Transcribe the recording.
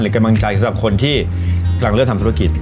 หรือกำลังใจกันแบบคนที่กำลังเลื่อนทำธุรกิจ